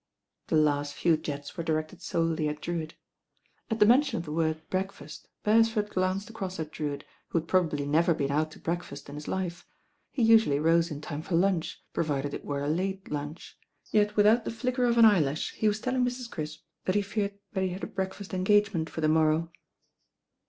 The last few jets were directed solely at Drewitt. At the mention of the word "breakfast," Beres ford glanced across at Drewitt, who had probably never been out to breakfast in his life. He usually rose in time for lunch, provided it were a late lunch; yet without the h :ker of an eyelash he was telling Mrs. Crisp that he feared he had a breakfast en gagement for the morrow.